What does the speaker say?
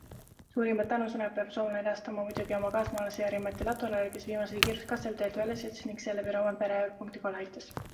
Suurimad tänusõnad peab soomlane edastama muidugi oma kaasmaalasele Jari-Matti Latvalale, kes viimasel kiiruskatsel teelt välja sõitis ning seeläbi Rovanperä punktikohale aitas.